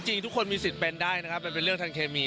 จริงทุกคนมีสิทธิ์เป็นได้นะครับมันเป็นเรื่องทางเคมี